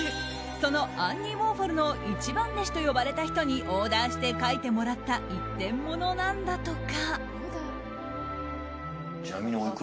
そのアンディ・ウォーホルの一番弟子と呼ばれた人にオーダーして描いてもらった１点ものなんだとか。